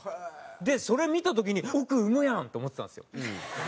でそれ見た時に「億生むやん！」って思ってたんですよ。